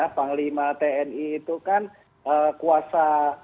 panglima tni itu kan kuasa